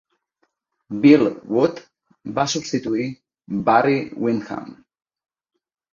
Bill Wood va substituir Barry Windham.